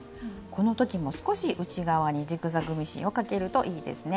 この時も少し内側にジグザグミシンをかけるといいですね。